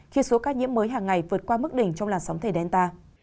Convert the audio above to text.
khi số ca nhiễm mới hàng ngày vượt qua mức đỉnh trong làn sóng thể delta